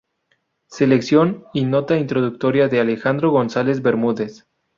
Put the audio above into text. Selección y nota introductoria de Alejandro González Bermúdez.